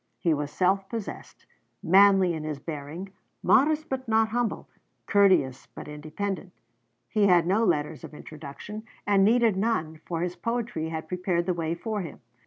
He was self possessed; manly in his bearing; modest, but not humble; courteous, but independent. He had no letters of introduction, and needed none, for his poetry had prepared the way for him.